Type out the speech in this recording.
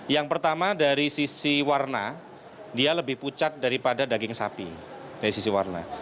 yang pertama dari sisi warna dia lebih pucat daripada daging sapi dari sisi warna